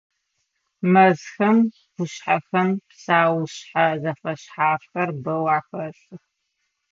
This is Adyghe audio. Мэзхэм, къушъхьэхэм псэушъхьэ зэфэшъхьафхэр бэу ахэсых.